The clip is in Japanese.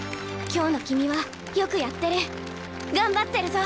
今日の君はよくやってる。頑張ってるぞ！